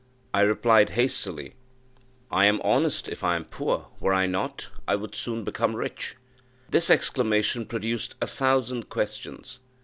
I replied hastily, "I am honest, if I am poor! were I not, I might soon become rich!" This exclamation produced a thousand questions.